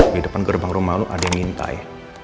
di depan gerbang rumah lo ada yang ngintai